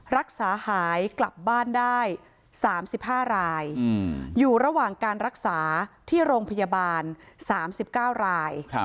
รักษาหายกลับบ้านได้๓๕รายอยู่ระหว่างการรักษาที่โรงพยาบาล๓๙ราย